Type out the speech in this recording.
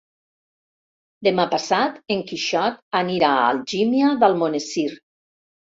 Demà passat en Quixot anirà a Algímia d'Almonesir.